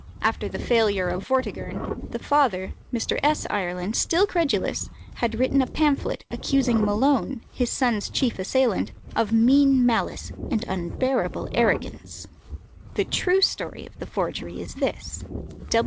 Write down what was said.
After the failure of "Vortigern," the father, Mr. S. Ireland, still credulous, had written a pamphlet, accusing Malone, his son's chief assailant, of mean malice and unbearable arrogance. The true story of the forgery is this.